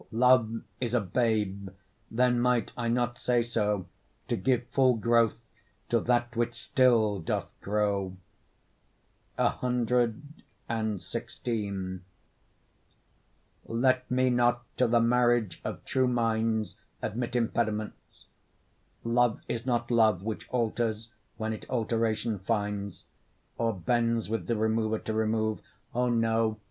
Love is a babe, then might I not say so, To give full growth to that which still doth grow? CXVI Let me not to the marriage of true minds Admit impediments. Love is not love Which alters when it alteration finds, Or bends with the remover to remove: O, no!